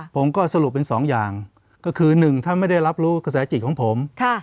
ผมก็สรุปเป็นสองอย่างก็คือหนึ่งท่านไม่ได้รับรู้กระแสจิตของผม